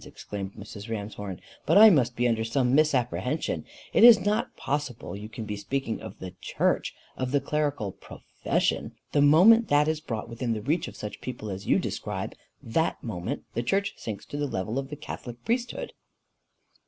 exclaimed Mrs. Ramshorn. "But I must be under some misapprehension! It is not possible you can be speaking of the CHURCH of the clerical PROFESSION. The moment that is brought within the reach of such people as you describe, that moment the church sinks to the level of the catholic priesthood."